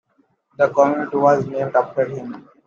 The community was named after him.